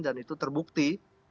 dan itu terbukti